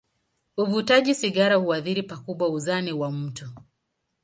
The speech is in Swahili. Uvutaji sigara huathiri pakubwa uzani wa mtu.